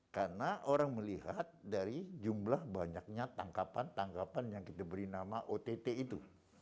karena orang melihat dari jumlah banyaknya tangkapan tangkapan yang kita beri nama ott itu